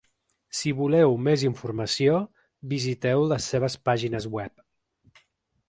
Si voleu més informació, visiteu les seves pàgines web.